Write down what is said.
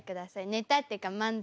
ネタっていうか漫才。